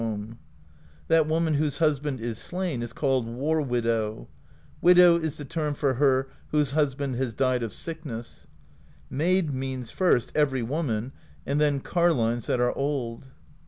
THE POESY OF SKALDS 237 That woman whose husband is slain is called War Widow: Widow is the term for her whose husband has died of sick ness. Maid means, first, every woman, and then carlines that are old.